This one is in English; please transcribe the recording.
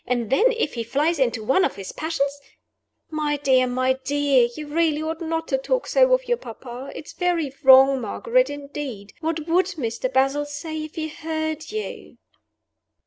And then, if he flies into one of his passions " "My dear! my dear! you really ought not to talk so of your papa it is very wrong, Margaret, indeed what would Mr. Basil say if he heard you?"